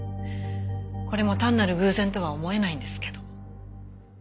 これも単なる偶然とは思えないんですけど。